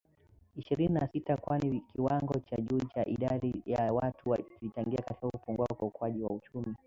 ishirini na sita kwani kiwango cha juu cha idadi ya watu kilichangia katika kupungua kwa ukuaji wa uchumi